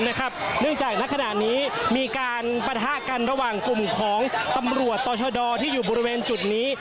เนื่องจากณขณะนี้มีการปะทะกันระหว่างกลุ่มของตำรวจต่อชะดอที่อยู่บริเวณจุดนี้